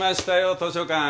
図書館。